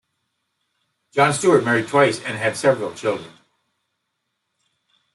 John Stewart married twice and had several children.